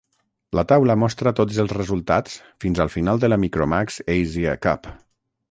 La taula mostra tots els resultats fins al final de la Micromax Asia Cup.